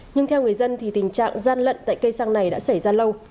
nhưng theo người dân thì tình trạng gian lận tại cây xăng này đã xảy ra lâu